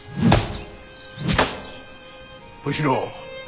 小四郎。